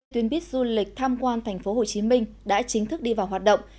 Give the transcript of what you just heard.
tuyến buýt du lịch tham quan thành phố hồ chí minh đã chính thức đi vào hoạt động